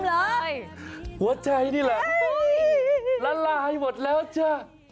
หัวใจนี่แหละละลายหมดแล้วจ้ะ